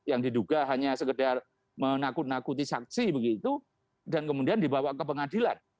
yang diduga hanya sekedar menakut nakuti saksi begitu dan kemudian dibawa ke pengadilan